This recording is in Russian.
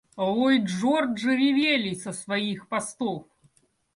Ллойд-Джорджи ревели со своих постов!